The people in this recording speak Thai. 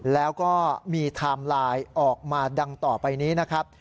แล้วก็มีไทม์ไลน์ออกมาดังต่อไปนี้นะครับ